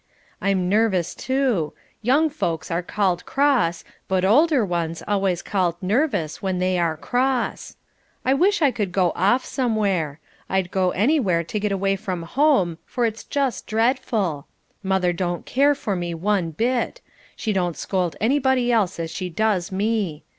I'm nervous, too. Young folks are called cross, but older ones always called nervous, when they are cross. I wish I could go off somewhere. I'd go anywhere to get away from home, for it's just dreadful. Mother don't care for me one bit. She don't scold anybody else as she does me.